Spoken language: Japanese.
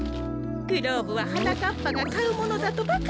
グローブははなかっぱがかうものだとばかりおもってたから。